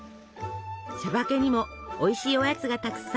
「しゃばけ」にもおいしいおやつがたくさん登場。